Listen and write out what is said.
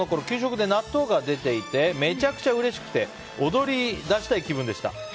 給食で納豆が出ていてめちゃくちゃうれしくて踊り出したい気分でした。